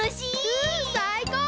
うんさいこう！